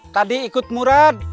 tadi ikut murad